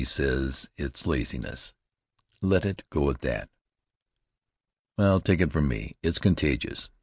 says it's laziness. Let it go at that. Well, take it from me, it's contagious.